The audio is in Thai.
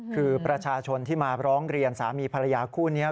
คือประชาชนที่มาร้องเรียนสามีภรรยาคู่นี้